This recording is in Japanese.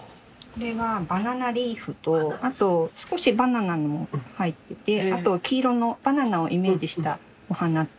これはバナナリーフとあと少しバナナも入っててあと黄色のバナナをイメージしたお花とか。